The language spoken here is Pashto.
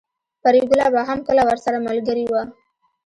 پريګله به هم کله ورسره ملګرې وه